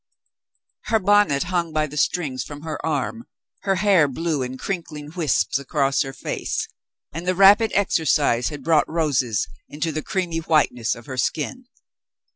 Her bonnet hung by the strings from her arm, her hair blew in crinkling wisps across her face, and the rapid exercise had brought roses into the creamy whiteness of her skin.